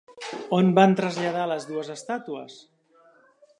On van traslladar les dues estàtues?